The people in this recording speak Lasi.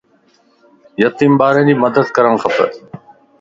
يتيم ٻارن جي مدد ڪرڻ کپ